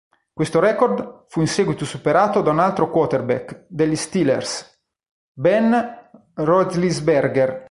Questo record fu in seguito superato da un altro quarterback degli Steelers, Ben Roethlisberger.